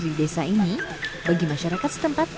di desa ini bagi masyarakat setempat